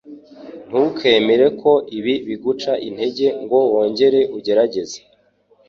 Ntukemere ko ibi biguca intege ngo wongere ugerageze.